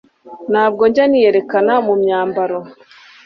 Ntabwo njya niyerekana mu myambaro